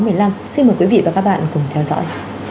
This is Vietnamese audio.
xin mời quý vị và các bạn cùng theo dõi